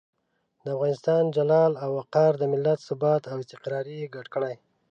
د افغانستان جلال او وقار، ملت ثبات او استقرار یې ګډ کړي.